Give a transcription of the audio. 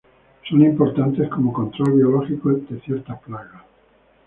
Son importantes como control biológico de ciertas plagas.